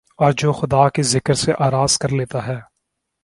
اور جو خدا کے ذکر سے اعراض کر لیتا ہے